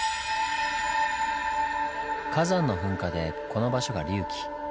火山の噴火でこの場所が隆起。